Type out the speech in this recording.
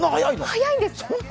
早いんです。